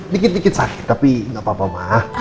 dikit dikit sakit tapi nggak apa apa mah